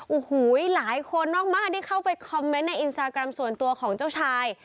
โอ้โหหลายคนมากที่เข้าไปคอมเมนต์ในอินสตาแกรมส่วนตัวของเจ้าชาย